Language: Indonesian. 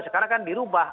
sekarang kan dirubah